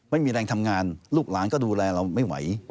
ไม่มีแรงทำงานลูกหลานก็ดูแลเราไม่ไหว